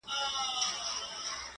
دصدقېجاريېزوردیتردېحدهپورې،